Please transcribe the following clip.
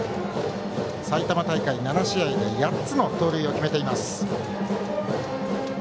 埼玉大会７試合で８つの盗塁を決めています。